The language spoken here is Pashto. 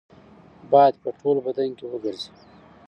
باید په ټول بدن کې وګرځي.